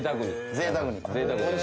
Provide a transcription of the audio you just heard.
ぜいたくに。